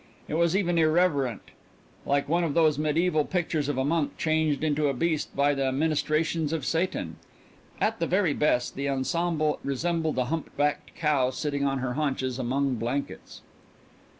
It was even irreverent like one of those mediaeval pictures of a monk changed into a beast by the ministrations of Satan. At the very best the ensemble resembled a humpbacked cow sitting on her haunches among blankets.